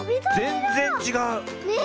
ぜんぜんちがう。ね！